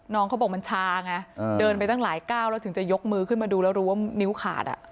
เขาบอกมันชาไงเดินไปตั้งหลายก้าวแล้วถึงจะยกมือขึ้นมาดูแล้วรู้ว่านิ้วขาด